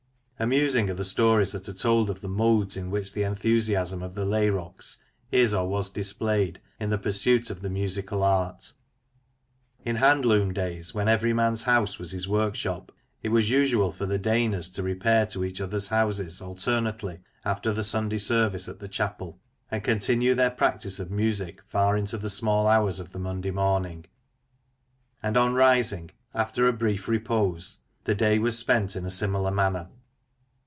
Amusing are the stories that are told of the modes in which the enthusiasm of the " Layrocks " is or was displayed in their pursuit of the musical art. In hand loom days, when every man's house was his workshop, it was usual for the "Deyghners" to repair to each other's houses alternately after the Sunday service at the chapel, and continue their practice of music far into the small hours of the Monday morning, and on rising, after a brief repose, the day was spent in a similar manner.